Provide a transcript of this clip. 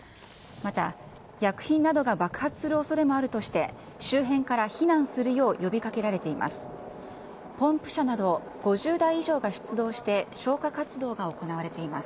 また薬品などが爆発するおそれもあるとして、周辺から避難するよう呼びかけられています。